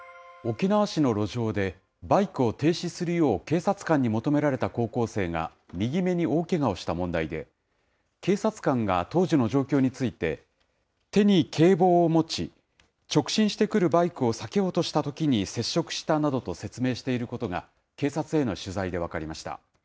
沖縄市の路上で、バイクを停止するよう警察官に求められた高校生が、右目に大けがをした問題で、警察官が当時の状況について、手に警棒を持ち、直進してくるバイクを避けようとしたときに接触したなどと説明していることが、警察への取材で分かりました。